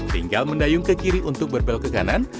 tinggal mendayung ke kiri untuk berbelok ke kanan